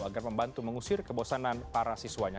agar membantu mengusir kebosanan para siswanya